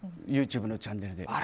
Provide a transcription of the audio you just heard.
ＹｏｕＴｕｂｅのチャンネルで。